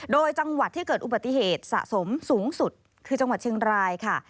โดยจังหวัดที่เกิดอุบัติเหตุสะสมสูงสุดคือจังหวัดเชียงรายค่ะ